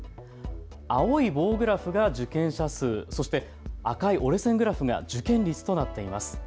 青い棒グラフが受験者数、そして赤い折れ線グラフが受験率となっています。